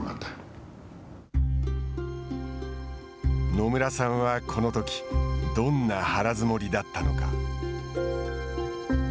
野村さんは、このときどんな腹づもりだったのか。